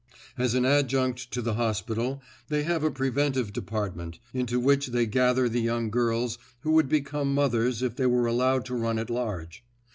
As an adjunct to the hospital they have a preventive department, into which they gather the young girls who would become mothers if they were allowed to run at large.